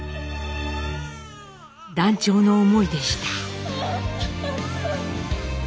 断腸の思いでした。